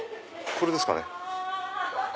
これですかね。